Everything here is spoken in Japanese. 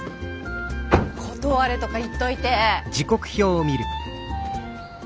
断れとか言っといて。